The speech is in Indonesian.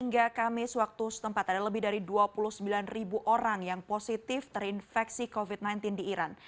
hingga kamis waktu setempat ada lebih dari dua puluh sembilan ribu orang yang positif terinfeksi covid sembilan belas di iran